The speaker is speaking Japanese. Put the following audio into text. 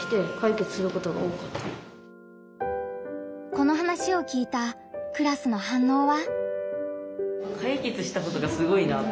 この話を聞いたクラスの反応は？